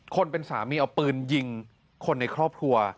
คนเป็นสามีเอาปืนยิงคนในครอบครัว